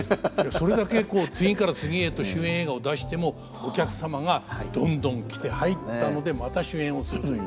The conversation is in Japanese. それだけこう次から次へと主演映画を出してもお客様がどんどん来て入ったのでまた主演をするという。